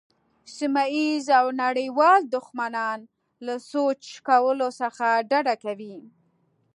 سیمه ییز او نړیوال دښمنان له سوچ کولو څخه ډډه کوي.